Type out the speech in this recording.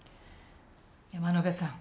山野辺さん。